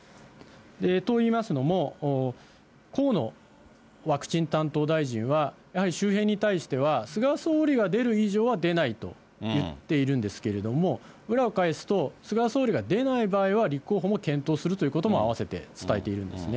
といいますのも、河野ワクチン担当大臣は、やはり周辺に対しては、菅総理が出る以上は出ないと言っているんですけれども、裏を返すと菅総理が出ない場合は、立候補も検討するということも併せて伝えているんですね。